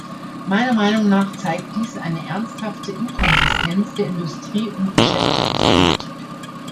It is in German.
Meiner Meinung nach zeigt dies eine ernsthafte Inkonsistenz der Industrie- und Beschäftigungspolitik.